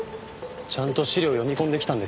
ちゃんと資料読み込んできたんですね。